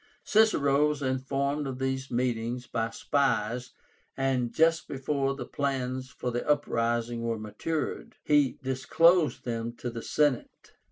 Cicero was informed of these meetings by spies, and just before the plans for the uprising were matured, he disclosed them to the Senate.